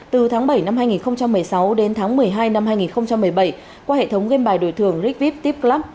từ tháng bảy năm hai nghìn một mươi sáu đến tháng một mươi hai năm hai nghìn một mươi bảy qua hệ thống game bài đổi thường rigvip tipclub